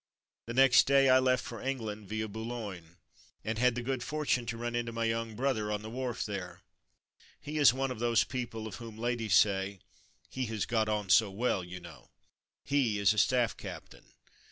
The next day I left for England, via Boulogne, and had the good fortune to run into my young brother on the wharf there. He is one of those people of whom ladies say, ''He has An Unexpected Meeting 289 got on so well, you know. ^' He is a Staff Captain.